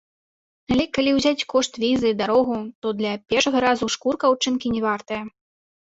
Але калі ўзяць кошт візы, дарогу, то для першага разу шкурка аўчынкі не вартая.